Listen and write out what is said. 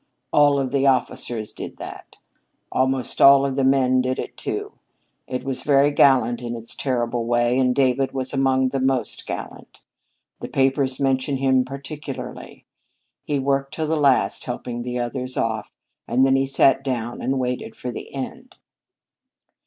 All of the officers did that. Almost all of the men did it, too. It was very gallant in its terrible way, and David was among the most gallant. The papers mention him particularly. He worked till the last helping the others off, and then he sat down and waited for the end."